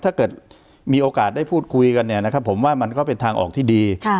ถ้าเกิดมีโอกาสได้พูดคุยกันเนี่ยนะครับผมว่ามันก็เป็นทางออกที่ดี